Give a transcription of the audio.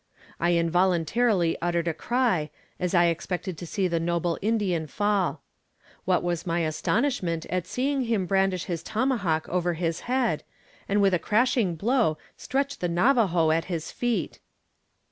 I involuntarily uttered a cry, as I expected to see the noble Indian fall. What was my astonishment at seeing him brandish his tomahawk over his head, and with a crashing blow stretch the Navajo at his feet!